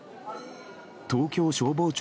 東京消防庁